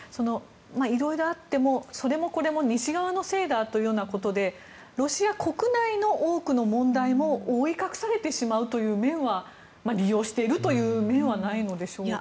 色々あっても西側のせいだというようなことでそれもこれもロシア国内の多くの問題も覆い隠されてしまうという面は利用しているという面はないのでしょうか。